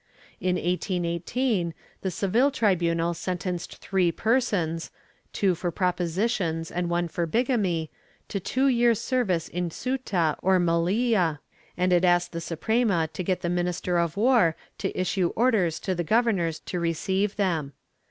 In 1818, the Seville tribunal sentenced three persons — two for propositions and one for bigamy — to two years' service in Ceuta or Melilla, and it asked the Suprema to get the minister of war to issue orders to the gover nors to receive them.